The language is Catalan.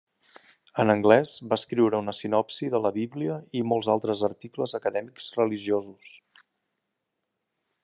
En anglès va escriure una sinopsi de la Bíblia i molts altres articles acadèmics religiosos.